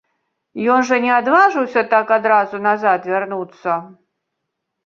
Ён жа не адважыўся так адразу назад вярнуцца.